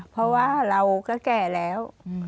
เพราะว่าเราก็แก่แล้ว